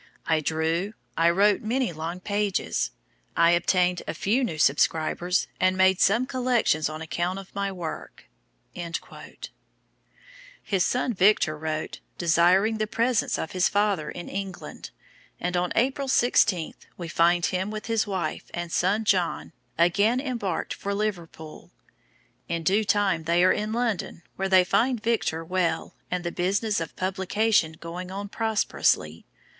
I drew, I wrote many long pages. I obtained a few new subscribers, and made some collections on account of my work." His son Victor wrote desiring the presence of his father in England, and on April 16, we find him with his wife and son John, again embarked for Liverpool. In due time they are in London where they find Victor well, and the business of publication going on prosperously.